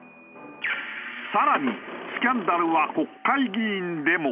更にスキャンダルは国会議員でも。